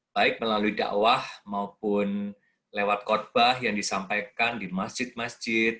baik melalui dakwah maupun lewat khutbah yang disampaikan di masjid masjid